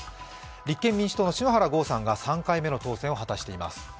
立憲民主党の篠原豪さんが３回目の当選を果たしています。